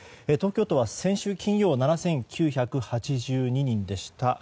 東京都は先週金曜は７９８２人でした。